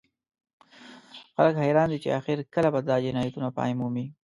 خلک حیران دي چې اخر کله به دا جنایتونه پای مومي